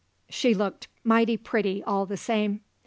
She looked mighty pretty all the same."